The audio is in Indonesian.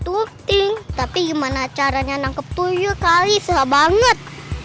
tuting tapi gimana caranya nangkep tuyul kali salah banget